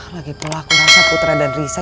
lagipula aku rasa putra dan risa